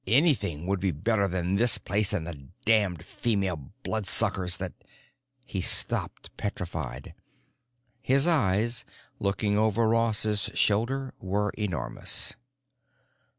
Anything would be better than this place and the damned female bloodsuckers that——" He stopped, petrified. His eyes, looking over Ross's shoulder, were enormous.